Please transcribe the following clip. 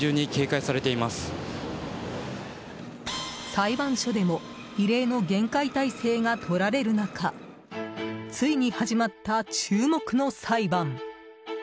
裁判所でも異例の厳戒態勢がとられる中ついに始まった注目の裁判。